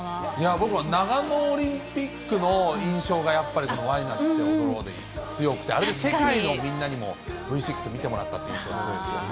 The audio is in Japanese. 僕は長野オリンピックの印象がやっぱりＷＡになっておどろうで強くて、あれ、世界のみんなにもＶ６、見てもらったっていう印象強いですよね。